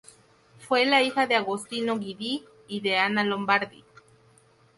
Fue la hija de Agostino Guidi y de Anna Lombardi.